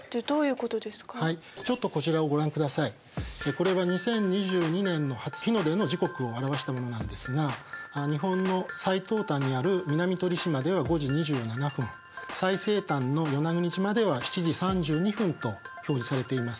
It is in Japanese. これは２０２２年の初日の出の時刻を表したものなんですが日本の最東端にある南鳥島では５時２７分最西端の与那国島では７時３２分と表示されています。